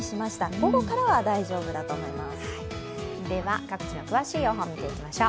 午後からは大丈夫だと思います。